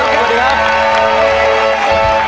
สวัสดีครับ